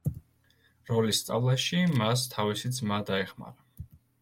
როლის სწავლაში მას თავისი ძმა დაეხმარა.